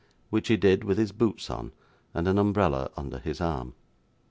Which he did with his boots on, and an umbrella under his arm.